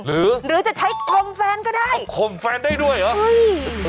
หรือจะใช้คมแฟนก็ได้คมแฟนได้ด้วยเหรอเฮ้ย